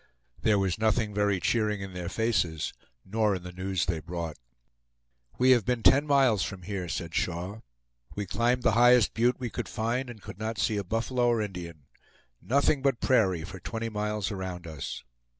There was nothing very cheering in their faces nor in the news they brought. "We have been ten miles from here," said Shaw. "We climbed the highest butte we could find, and could not see a buffalo or Indian; nothing but prairie for twenty miles around us."